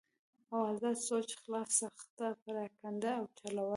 او ازاد سوچ خلاف سخته پراپېګنډه اوچلوله